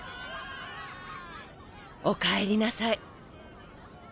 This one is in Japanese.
おかえりなさい。